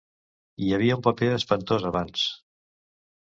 Hi havia un paper espantós abans...